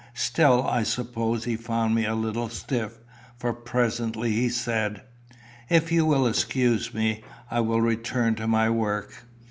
Still, I suppose he found me a little stiff, for presently he said "If you will excuse me, I will return to my work."